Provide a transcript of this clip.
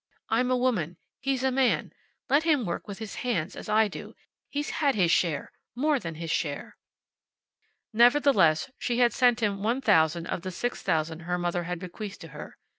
I'm a woman. He's a man. Let him work with his hands, as I do. He's had his share. More than his share." Nevertheless she had sent him one thousand of the six thousand her mother had bequeathed to her.